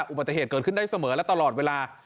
อุบัติเหตุเกิดขึ้นได้เสมอและตลอดเวลา